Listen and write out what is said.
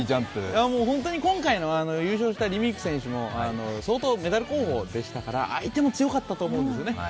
もう本当に今回の優勝した選手も、相当にメダル候補でしたから相手も強かったと思うんですね。